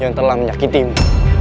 yang telah menyakitimu